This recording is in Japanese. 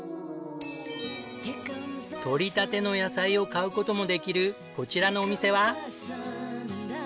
採りたての野菜を買う事もできるこちらのお店は。